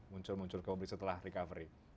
muncul muncul ke publik setelah recovery